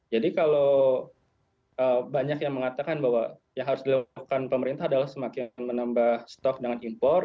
jadi kalau banyak yang mengatakan bahwa yang harus dilakukan pemerintah adalah semakin menambah stok dengan impor